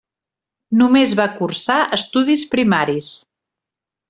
Només va cursar estudis primaris.